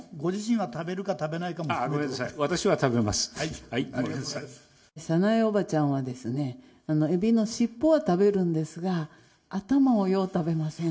できれば、あー、ごめんなさい、早苗おばちゃんはですね、エビの尻尾は食べるんですが、頭をよう食べません。